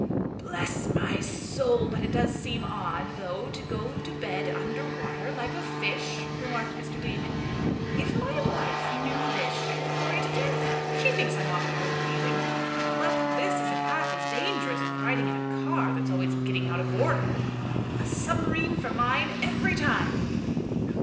"Bless my soul, but it does seem odd, though, to go to bed under water, like a fish," remarked Mr. Damon. "If my wife knew this she would worry to death. She thinks I'm off automobiling. But this isn't half as dangerous as riding in a car that's always getting out of order. A submarine for mine, every time."